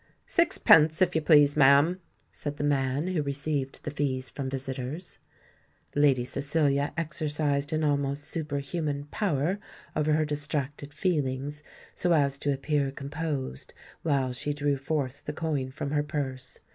"Sixpence, if you please, ma'am," said the man who received the fees from visitors. Lady Cecilia exercised an almost superhuman power over her distracted feelings, so as to appear composed, while she drew forth the coin from her purse.